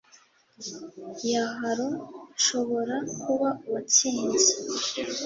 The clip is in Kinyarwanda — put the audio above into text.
ya halo nshobora kuba uwatsinze: